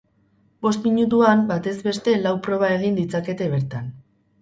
Bost minutuan, batez beste lau proba egin ditzakete bertan.